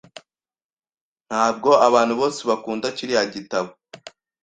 Ntabwo abantu bose bakunda kiriya gitabo .